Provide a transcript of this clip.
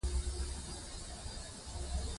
هغه لغت، چي مانا ئې خړېږي، له ژبي څخه وځي.